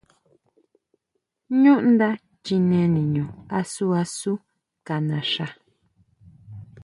ʼÑú nda chine niño asu asu ka naxa.